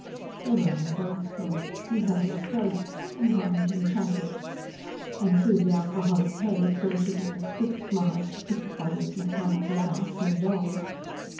They were on the dance floor. He held her close, and hummed and chatted. And through the alcoholic haze saw she was a stiff smiled, stiff bodied, mechanical dancing doll.